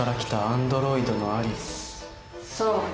そう。